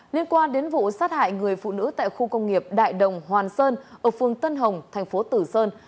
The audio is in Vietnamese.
liên quan đến vụ sát hại người phụ nữ tại khu công nghiệp đại đồng hoàn sơn ở phương tân hồng thành phố tử sơn